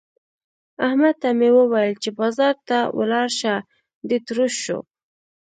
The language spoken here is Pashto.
احمد ته مې وويل چې بازار ته ولاړ شه؛ دی تروش شو.